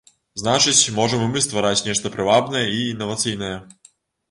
Значыць, можам і мы ствараць нешта прывабнае і інавацыйнае.